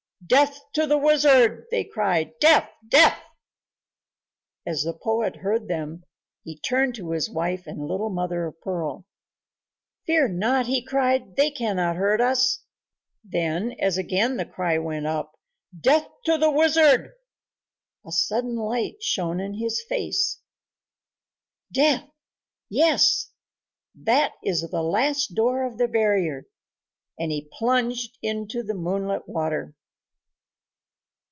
"Death to the wizard!" they cried. "Death! Death!" As the poet heard them, he turned to his wife and little Mother of Pearl. "Fear not," he cried, "they cannot hurt us." Then, as again the cry went up, "Death to the wizard!" a sudden light shone in his face. "Death ... yes! That is the last door of the barrier...." and he plunged into the moonlit water.